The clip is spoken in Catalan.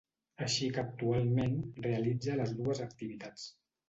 Així que actualment realitza les dues activitats.